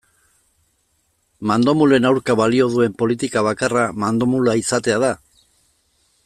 Mandomulen aurka balio duen politika bakarra mandomula izatea da?